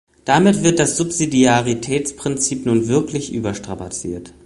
Damit wird das Subsidiaritätsprinzip nun wirklich überstrapaziert!